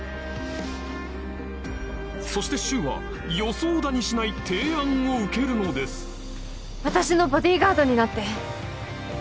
そして柊は予想だにしない提案を受けるのです私のボディーガードになって。